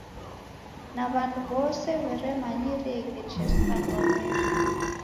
Na w'andu w'ose w'eremanyireghe Jesu andwamweri.